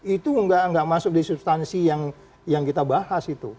itu nggak masuk di substansi yang kita bahas itu